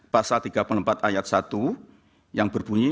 pasal tiga puluh empat ayat satu yang berbunyi